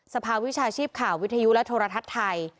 ภาวิชาชีพข่าววิทยุและโทรทัศน์ไทย